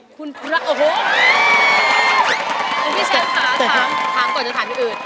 คุณพี่แชมป์ถามถามก่อนจะถามให้อื่น